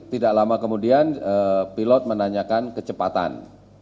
tidak lama kemudian pilot menanyakan kecepatan